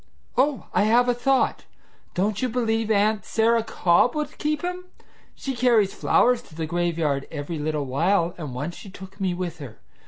Oh, I have a thought! Don't you believe Aunt Sarah Cobb would keep him? She carries flowers to the graveyard every little while, and once she took me with her.